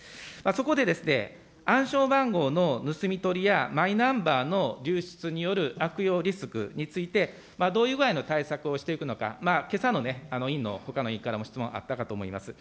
そこでですね、暗証番号の盗み取りやマイナンバーの流出による悪用リスクについて、どういう具合の対策をしていくのか、けさの委員の、ほかの委員からも質問あったかと思います。